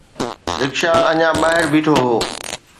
رڪشا اڃا ٻاهر بيٺو هو